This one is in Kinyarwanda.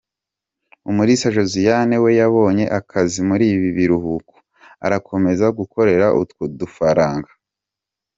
Umulisa Josiane we yabonye akazi muri ibi biruhuko, arakomeza gukorera utwo dufaranga.